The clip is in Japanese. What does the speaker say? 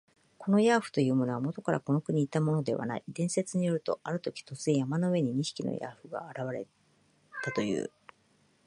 このヤーフというものは、もとからこの国にいたものではない。伝説によると、あるとき、突然、山の上に二匹のヤーフが現れたという。